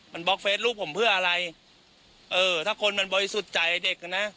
มันบล็อกเฟสลูกผมเพื่ออะไรเออถ้าคนมันบริสุทธิ์ใจเด็กนะ